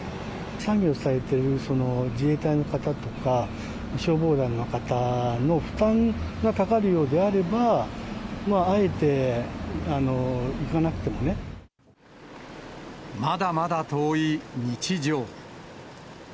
作業されている自衛隊の方とか消防団の方の負担がかかるようまだまだ遠い日常。